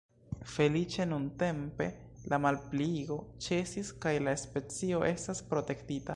Feliĉe nuntempe la malpliigo ĉesis kaj la specio estas protektita.